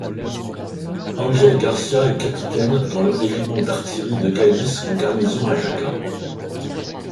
Angel Garcia est capitaine dans le régiment d'artillerie de Galice en garnison à Jaca.